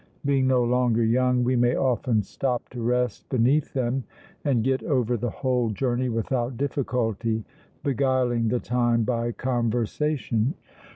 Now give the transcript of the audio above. Being no longer young, we may often stop to rest beneath them, and get over the whole journey without difficulty, beguiling the time by conversation.